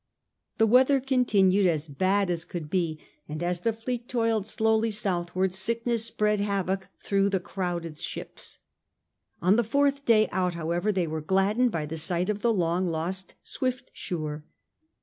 The weather continued as bad as could be, and XII INVASION OF PORTUGAL 183 as the fleet toiled slowly southward sickness spread havoc through the crowded ships. On the fourtji day out^ however, they were gladdened by the sight of the long lost Smftswre.